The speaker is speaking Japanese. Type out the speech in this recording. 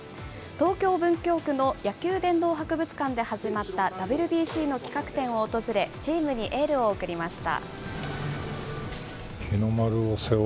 東京・文京区の野球殿堂博物館で始まったＷＢＣの企画展を訪れ、チームにエールを送りました。